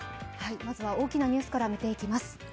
まずは大きなニュースから見ていきます。